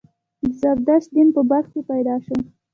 د زردشت دین په بلخ کې پیدا شو